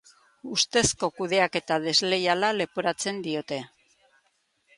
Ustezko kudeaketa desleiala leporatzen diote.